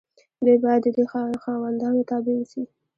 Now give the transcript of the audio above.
دوی باید د دې خاوندانو تابع واوسي.